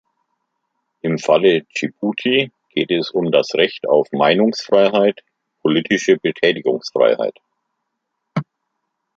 Im Falle Dschibuti geht es um das Recht auf Meinungsfreiheit, politische Betätigungsfreiheit.